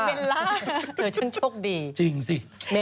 เธอช่างโชคดีจริงสิ